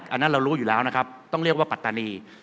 อันนั้นเรารู้อยู่แล้วนะครับต้องเรียกว่าปัตตานี